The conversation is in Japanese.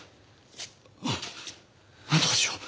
うんなんとかしよう。